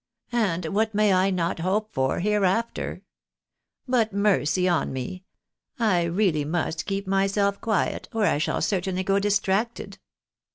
And what may I not hope for hereafter ? But, mercy on me ! I really must keep myself quiet, or I shall certainly go distracted."